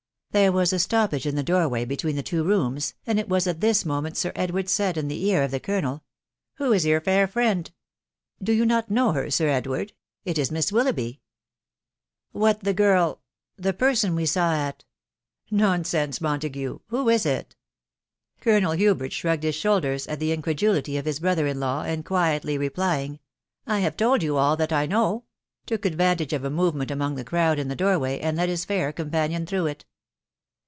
There woo a stoppage in. the door way between; dm two rooms, ami k was at this moment Sir Ikbward. said in the ear of the colonel, «* Who is your fair friend r^ " Do yew nor know herrS» BdWaid^ ..... ikh MiaaWil loughby. " WTiat, Ate ghi \,,. .the person we saw at .... Non sense, Montague I Who is it?" Colonel Hubert shrugged his shoulders at the mcredulrty o£ his bre^r fri law, and quietly replying, " I have told yon all I know, took advantage of at movement among the crowd in the door way, ami ted his fair companion through it.